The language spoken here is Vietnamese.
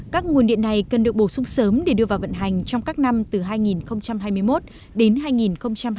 các nguồn điện này cần được bổ sung sớm để đưa vào vận hành trong các năm từ hai nghìn hai mươi một đến hai nghìn hai mươi ba